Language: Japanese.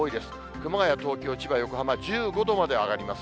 熊谷、東京、千葉、横浜、１５度まで上がります。